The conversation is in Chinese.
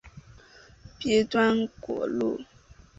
鼻端裸露。